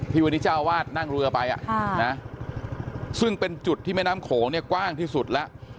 วันนี้เจ้าวาดนั่งเรือไปซึ่งเป็นจุดที่แม่น้ำโขงเนี่ยกว้างที่สุดแล้ว